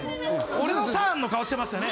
俺のターンの顔してましたね。